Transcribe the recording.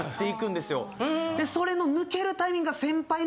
でそれの抜けるタイミングが。